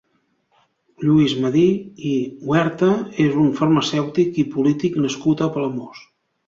Lluís Medir i Huerta és un farmacèutic i polític nascut a Palamós.